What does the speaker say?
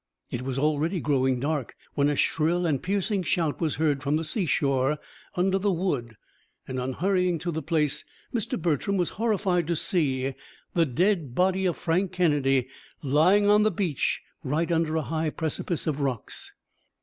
It was already growing dark, when a shrill and piercing shout was heard from the sea shore under the wood, and on hurrying to the place, Mr. Bertram was horrified to see the dead body of Frank Kennedy lying on the beach, right under a high precipice of rocks.